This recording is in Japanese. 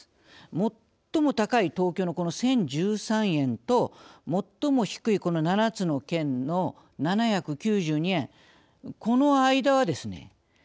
最も高い東京のこの１，０１３円と最も低いこの７つの県の７９２円この間はですね